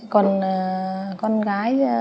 còn con gái